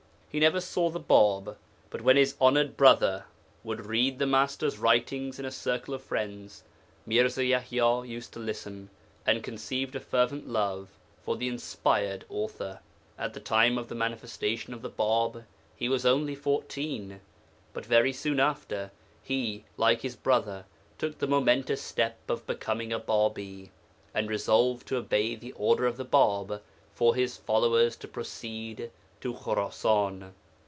He never saw the Bāb, but when his 'honoured brother' would read the Master's writings in a circle of friends, Mirza Yaḥya used to listen, and conceived a fervent love for the inspired author. At the time of the Manifestation of the Bāb he was only fourteen, but very soon after, he, like his brother, took the momentous step of becoming a Bābī, and resolved to obey the order of the Bāb for his followers to proceed to Khurasan.